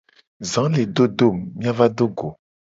Za le do do mu, mia va do go.